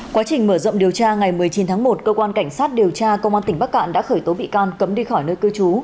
quá trình mở rộng điều tra ngày một mươi chín tháng một cơ quan cảnh sát điều tra công an tỉnh bắc cạn đã khởi tố bị can cấm đi khỏi nơi cư trú